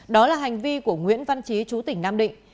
đó là hành vi của nguyễn văn trí chú tỉnh nam định